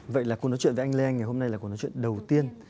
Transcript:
vậy là cuộc nói chuyện với anh lê anh ngày hôm nay là cuộc nói chuyện đầu tiên